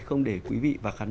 nhưng nguyễn vinh hiển